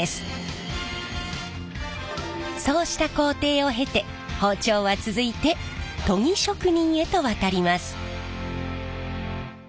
そうした工程を経て包丁は続いて研ぎ職人へと渡ります。